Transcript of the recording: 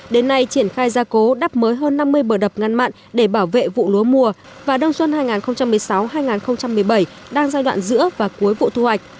đến nay triển khai gia cố đắp mới hơn năm mươi bờ đập ngăn mặn để bảo vệ vụ lúa mùa và đông xuân hai nghìn một mươi sáu hai nghìn một mươi bảy đang giai đoạn giữa và cuối vụ thu hoạch